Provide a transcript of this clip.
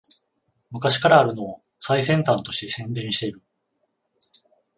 昔からあるのを最先端として宣伝してる